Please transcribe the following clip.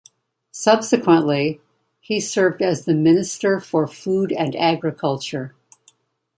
Subsequently, he served as the Minister for Food and Agriculture.